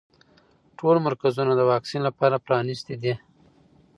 ټول مرکزونه د واکسین لپاره پرانیستي دي.